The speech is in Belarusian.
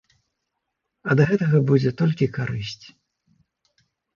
Ад гэтага будзе толькі карысць.